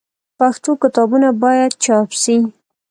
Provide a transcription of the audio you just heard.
پښتو کتابونه باید چاپ سي.